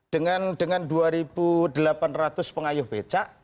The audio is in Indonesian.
dengan dengan dua delapan ratus pengayuh beca